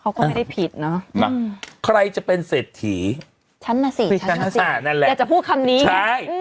เขาก็ไม่ได้ผิดเนาะใครจะเป็นเศรษฐีชั้นนาศิอยากจะพูดคำนี้ใช่